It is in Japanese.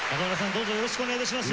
どうぞよろしくお願い致します。